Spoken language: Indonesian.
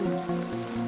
panggil aku ibu